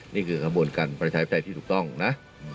นี่คือขบวนการประชาชนที่ถูกต้องนะ